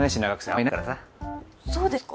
あっそうですか。